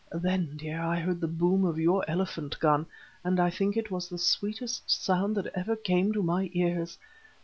Then, dear, I heard the boom of your elephant gun, and I think it was the sweetest sound that ever came to my ears.